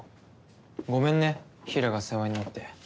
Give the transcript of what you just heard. ごめんね平良が世話になって。